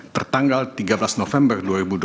tertanggal tiga belas november dua ribu dua puluh